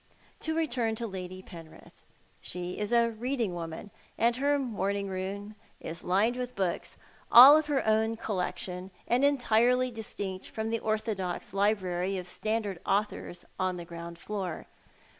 To return to Lady Penrith. She is a reading woman, and her morning room is lined with books, all of her own collection, and entirely distinct from the orthodox library of standard authors on the ground floor.